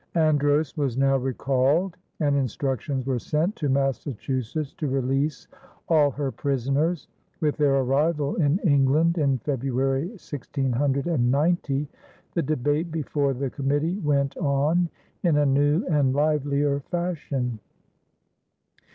Andros was now recalled and instructions were sent to Massachusetts to release all her prisoners. With their arrival in England in February, 1690, the debate before the committee went on in a new and livelier fashion.